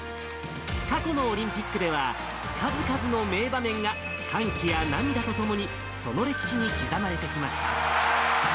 過去のオリンピックでは、数々の名場面が、歓喜や涙とともに、その歴史に刻まれてきました。